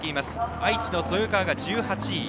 愛知の豊川が１８位。